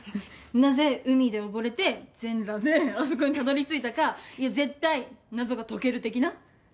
なぜ海で溺れて全裸であそこにたどり着いたか絶対謎が解ける的な。